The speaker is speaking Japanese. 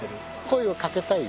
声をかけたい。